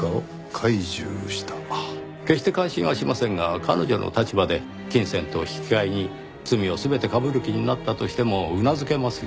決して感心はしませんが彼女の立場で金銭と引き換えに罪を全てかぶる気になったとしてもうなずけますよ。